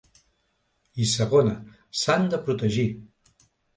I segona, s’han de protegir.